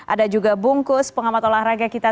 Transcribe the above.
ada juga bungkus pengamat olahraga kita